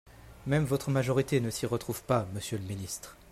Même votre majorité ne s’y retrouve pas, monsieur le ministre